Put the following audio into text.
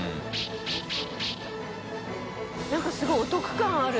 何かすごいお得感ある。